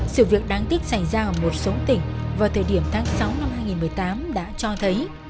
sự việc đáng tiếc xảy ra ở một số tỉnh vào thời điểm tháng sáu năm hai nghìn một mươi tám đã cho thấy